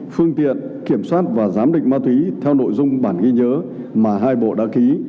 phương tiện kiểm soát và giám định ma túy theo nội dung bản ghi nhớ mà hai bộ đã ký